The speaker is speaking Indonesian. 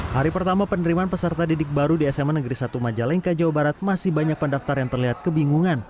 hari pertama penerimaan peserta didik baru di sma negeri satu majalengka jawa barat masih banyak pendaftar yang terlihat kebingungan